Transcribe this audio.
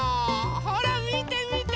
ほらみてみて。